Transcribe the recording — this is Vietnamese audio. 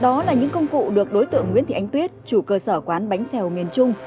đó là những công cụ được đối tượng nguyễn thị ánh tuyết chủ cơ sở quán bánh xèo miền trung